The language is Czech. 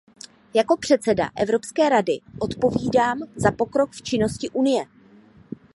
Jako předseda Evropské rady odpovídám za pokrok v činnosti Unie.